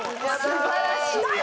素晴らしいよ。